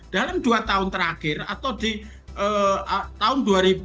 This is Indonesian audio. dalam dua tahun terakhir atau di tahun dua ribu dua